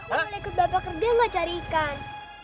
aku mau ikut bapak kerja enggak cari ikan